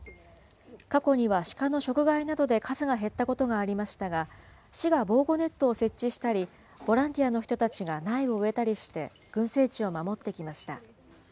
過去にはシカの食害などで数が減ったことがありましたが、市が防護ネットを設置したり、ボランティアの人たちが苗を植えたりして、群生地を守ってきました。